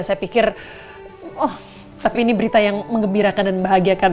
saya pikir oh tapi ini berita yang mengembirakan dan membahagiakan